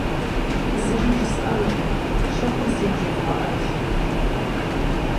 Зыри жысӏэнукъым, щэхур зейм жевгъэӏэж.